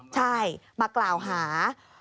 ใช่มากล่าวหา